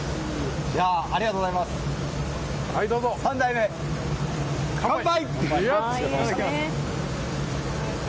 ３代目、乾杯！